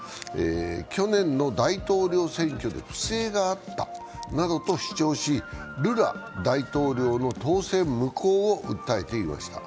去年の大統領選挙で不正があったなどと主張し、ルラ大統領の当選無効を訴えていました。